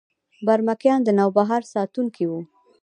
برمکیان د نوبهار ساتونکي وو